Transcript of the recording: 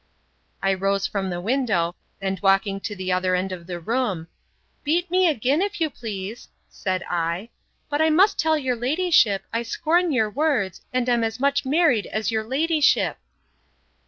I rose from the window, and walking to the other end of the room, Beat me again, if you please, said I, but I must tell your ladyship, I scorn your words, and am as much married as your ladyship!